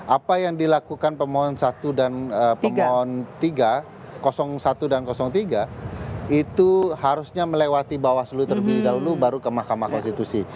apa yang dilakukan pemohon satu dan tiga itu harusnya melewati bawaslu terlebih dahulu baru ke mahkamah konstitusi